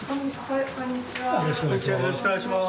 よろしくお願いします。